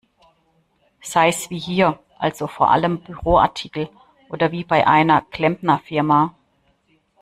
Sei's wie hier, also vor allem Büroartikel, oder wie bei einer Klempnerfirma.